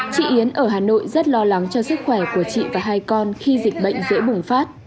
chị yến ở hà nội rất lo lắng cho sức khỏe của chị và hai con khi dịch bệnh dễ bùng phát